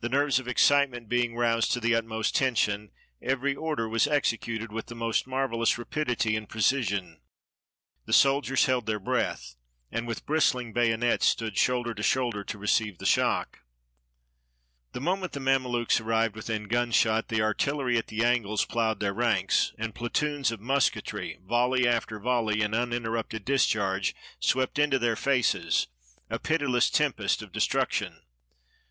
The nerves of excite ment being roused to the utmost tension, every order was executed with most marvelous rapidity and preci sion. The soldiers held their breath, and with bristhng bayonets stood shoulder to shoulder to receive the shock. 224 THE BATTLE OF THE PYRAMIDS The moment the Mamelukes arrived within gunshot, the artillery at the angles ploughed their ranks, and pla toons of musketry, volley after volley, in uninterrupted discharge, swept into their faces a pitiless tempest of destruction.